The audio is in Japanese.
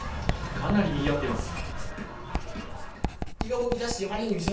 かなりにぎわっています。